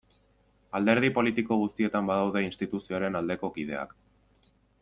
Alderdi politiko guztietan badaude instituzioaren aldeko kideak.